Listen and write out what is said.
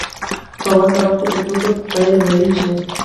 په ورته وخت کې د توکو بیه لوړېږي